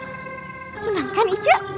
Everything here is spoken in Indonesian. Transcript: benang kan aceh